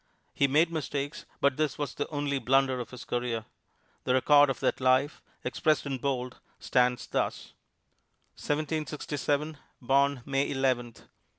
He made mistakes, but this was the only blunder of his career. The record of that life expressed in bold stands thus: 1767 Born May Eleventh.